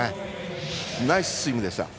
ナイススイムでした。